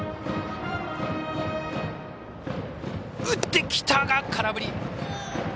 打ってきたが空振り。